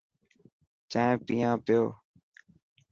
چائي پيان پيو.